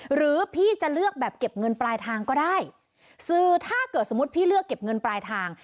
หรือพี่จะเลือกแบบเก็บเงินปลายทางก็ได้คือถ้าเกิดสมมุติพี่เลือกเก็บเงินปลายทาง